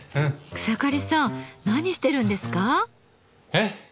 草刈さん何してるんですか？